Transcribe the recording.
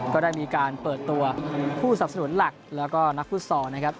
ก็ได้มีการเปิดตัวผู้สับสนุนหลักแล้วก็นักฟุตซอลนะครับ